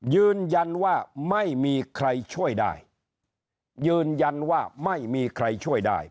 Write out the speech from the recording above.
ยืนยันว่าไม่มีใครช่วยได้ยืนยันว่าไม่มีใครช่วยได้